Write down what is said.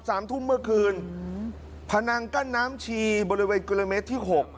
สามทุ่มเมื่อคืนอืมพนังกั้นน้ำชีบริเวณกิโลเมตรที่หก